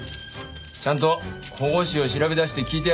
ちゃんと保護司を調べ出して聞いてある。